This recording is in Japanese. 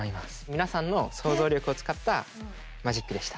皆さんの想像力を使ったマジックでした。